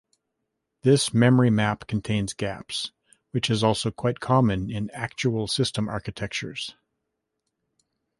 This memory map contains gaps, which is also quite common in actual system architectures.